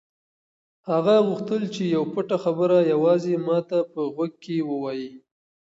هغه غوښتل چې یوه پټه خبره یوازې ما ته په غوږ کې ووایي.